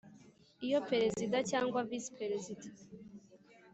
Iyo Perezida cyangwa Visi Perezida